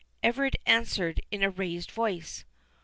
Everard answered in a raised voice.